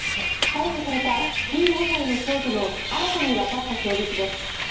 逮捕された１５歳の少女の新たにわかった供述です。